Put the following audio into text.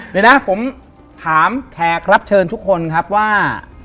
เดี๋ยวนะผมถามแขกรับเชิญทุกคนครับว่า